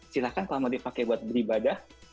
silahkan kalau mau dipakai buat beribadah